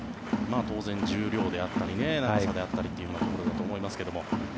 当然、重量であったり長さであったりというところだと思いますが。